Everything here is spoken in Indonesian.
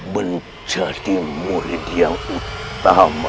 menjadi murid yang utama